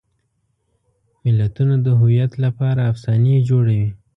ملتونه د هویت لپاره افسانې جوړوي.